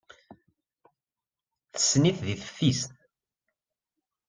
Tessen-it deg teftist.